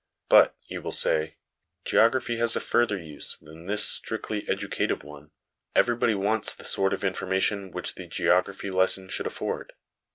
But, you will say, geography has a further use than this strictly educative one ; everybody wants the sort of information which the geography lesson should afford.